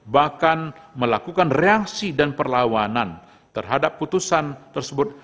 bahkan melakukan reaksi dan perlawanan terhadap putusan tersebut